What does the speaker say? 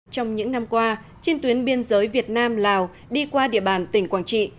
trong những năm qua trên tuyến biên giới việt nam lào đi qua địa bàn tỉnh quảng trị